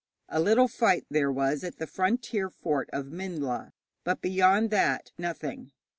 A little fight there was at the frontier fort of Minhla, but beyond that nothing.